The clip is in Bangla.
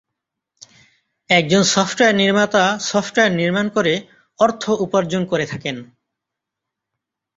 একজন সফটওয়্যার নির্মাতা সফটওয়্যার নির্মাণ করে অর্থ উপার্জন করে থাকে।